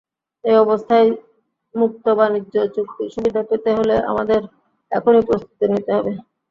এ অবস্থায় মুক্তবাণিজ্য চুক্তির সুবিধা পেতে হলে আমাদের এখনই প্রস্তুতি নিতে হবে।